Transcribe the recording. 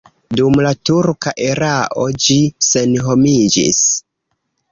Dum la turka erao ĝi senhomiĝis.